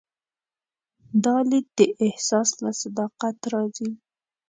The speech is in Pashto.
دا لید د احساس له صداقت راځي.